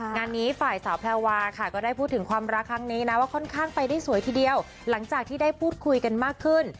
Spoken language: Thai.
งานนี้ฝ่ายสาวแพรวาค่ะก็ได้พูดถึงความรักครั้งนี้นะว่าค่อนข้างไปได้สวยทีเดียวหลังจากที่ได้พูดคุยกันมากขึ้น